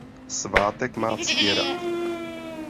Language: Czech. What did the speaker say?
Svátek má Ctirad.